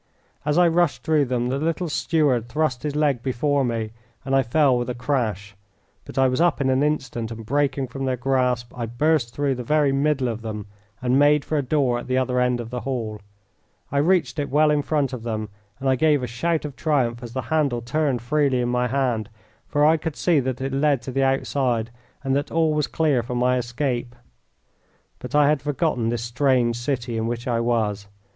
As I rushed through them the little steward thrust his leg before me and I fell with a crash, but I was up in an instant, and breaking from their grasp I burst through the very middle of them and made for a door at the other end of the hall. I reached it well in front of them, and I gave a shout of triumph as the handle turned freely in my hand, for I could see that it led to the outside and that all was clear for my escape. But I had forgotten this strange city in which I was.